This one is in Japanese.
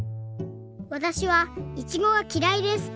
「わたしはいちごがきらいです。